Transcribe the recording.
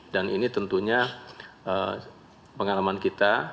dan ini tentunya pengalaman kita